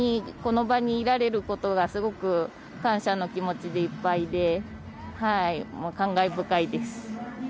この場にいられることがすごく感謝の気持ちでいっぱいで感慨深いです。